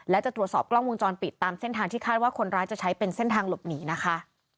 และจะตรวจสอบกล้องวงจรปิดตามเส้นทางที่คาดว่าคนร้ายจะใช้เป็นเส้นทางหลบหนีนะคะ